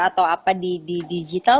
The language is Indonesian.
atau apa di digital